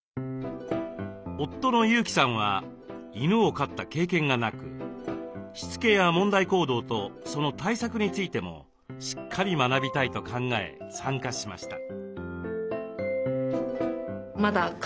夫の裕己さんは犬を飼った経験がなくしつけや問題行動とその対策についてもしっかり学びたいと考え参加しました。